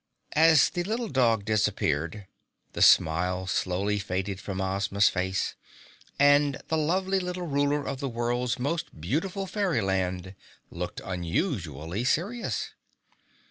As the little dog disappeared, the smile slowly faded from Ozma's face, and the lovely little ruler of the world's most beautiful fairyland looked unusually serious.